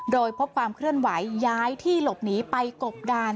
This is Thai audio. โดยพบความเคลื่อนไหวย้ายที่หลบหนีไปกบดาน